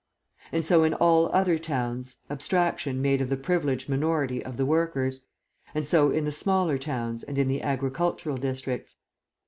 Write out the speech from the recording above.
And so in all other large towns abstraction made of the privileged minority of the workers; and so in the smaller towns and in the agricultural districts.